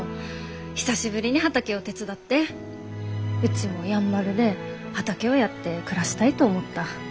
久しぶりに畑を手伝ってうちもやんばるで畑をやって暮らしたいと思った。